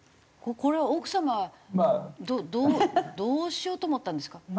これは奥様はどうどうしようと思ったんですか？